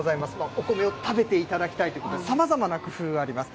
お米を食べていただきたいということで、さまざまな工夫あります。